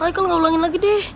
heikal gak ulangin lagi deh